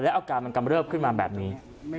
และอาการมันกำลับขึ้นมาแบบนี้